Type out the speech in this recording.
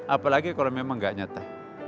apalagi kalau memang nggak nyata